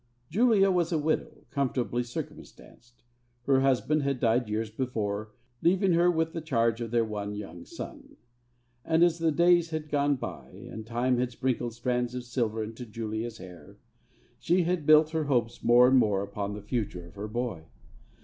Julia was a widow, comfortably circumstanced. Her husband had died years before, leaving her with the charge of their one young son. And as the days had gone by, and time had sprinkled strands of silver into Julia's hair, she had built her hopes more and more upon the future of her boy.